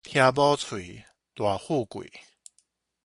聽某喙，大富貴